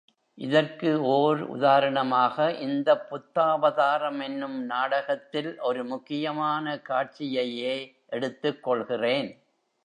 இதற்கு ஓர் உதாரணமாக இந்தப் புத்தாவதாரம் என்னும் நாடகத்தில் ஒரு முக்கியமான காட்சியையே எடுத்துக்கொள்கிறேன்.